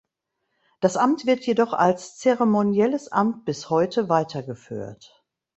Das Amt wird jedoch als zeremonielles Amt bis heute weitergeführt.